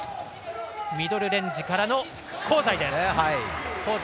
ミドルレンジからの香西！